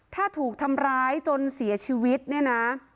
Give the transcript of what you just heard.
ถ้าถูกทำร้ายจนเสียชีวิตเนี่ยนะ